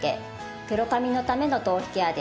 黒髪のための頭皮ケアです。